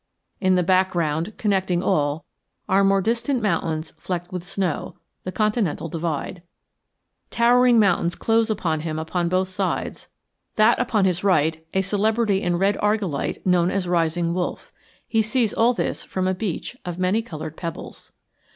In the background, connecting all, are more distant mountains flecked with snow, the continental divide. Towering mountains close upon him upon both sides, that upon his right a celebrity in red argillite known as Rising Wolf. He sees all this from a beach of many colored pebbles.